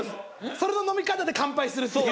それの飲み方で乾杯するっていう。